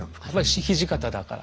土方だから！